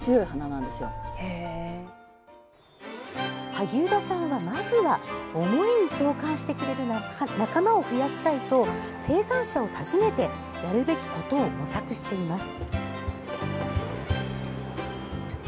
萩生田さんは、まずは思いに共感してくれる仲間を増やしたいと生産者を訪ねてやるべきことを模索しています。